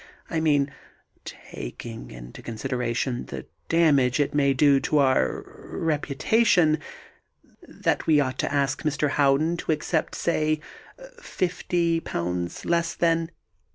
I mean, taking into consideration the damage it may do our reputation ... that we ought to ask Mr. Howden to accept, say fifty pounds less than...."